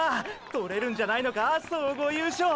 獲れるんじゃないのか総合優勝！！